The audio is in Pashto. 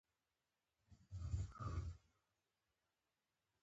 احمد د پلار غیرتي زوی دی، د هغه په پله روان دی.